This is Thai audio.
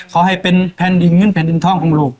ขอให้เป็นแผ่นดินท่องของลูก